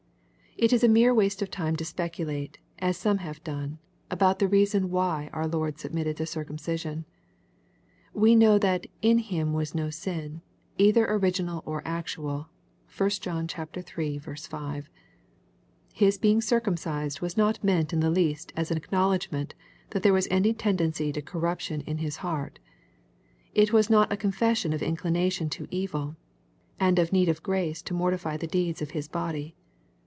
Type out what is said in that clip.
It is a mere waste of time to speculate, as some have done, about the reason why our Lord submitted to circumcision. We know that "in Him was no sin," either original or actual. (1 John iii. 5.) His being circumcised was not meant in the least as an acknowl i edgment that there was any tendency to corruption in His heart. It was not a confession of inclination to evil, and of need of grace to mortify the deeds of His body.